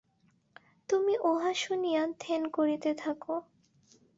তুমি উহা শুনিয়া ধ্যান করিতে থাক।